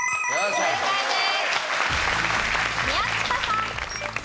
正解です。